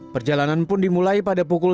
perjalanan pun dimulai pada pukul